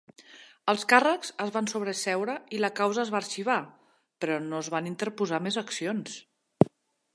Els càrrecs es van sobreseure i la causa es va arxivar, però no es van interposar més accions.